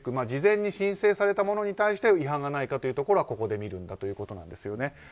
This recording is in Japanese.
事前に申請されたものに対して違反がないかというところはここで見るんだということです。